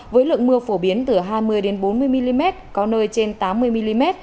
với lượng mưa phổ biến từ hai mươi bốn mươi mm có nơi trên tám mươi mm